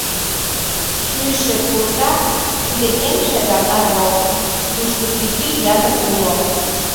Шӱйшӧ пурка — тиде эн шергакан рок, тушто тӱтӱ ятыр уло.